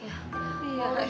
enak banget rujak ya